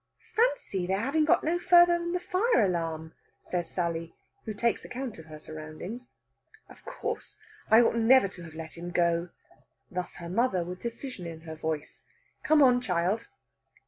"Fancy their having got no further than the fire alarm!" says Sally, who takes account of her surroundings. "Of course, I ought never to have let him go." Thus her mother, with decision in her voice. "Come on, child!"